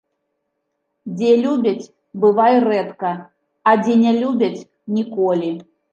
Дзе любяць, бывай рэдка, а дзе ня любяць ‒ ніколі